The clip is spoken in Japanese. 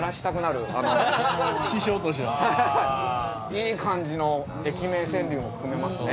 いい感じの駅名川柳も組めますね。